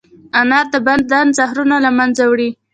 انار د بدن زهرونه له منځه وړي.